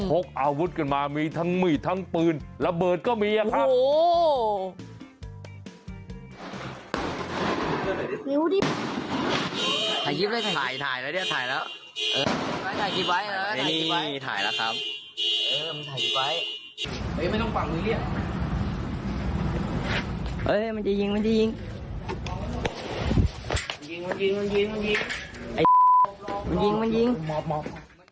พกอาวุธกันมามีทั้งมีดทั้งปืนระเบิดก็มีครับ